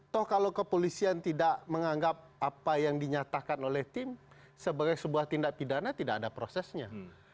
toh kalau kepolisian tidak menganggap apa yang dinyatakan oleh tim sebagai sebuah tindak pidana tidak ada prosesnya